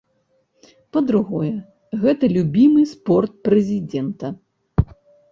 Па-другое, гэта любімы спорт прэзідэнта.